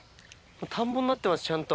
田んぼになってますちゃんと。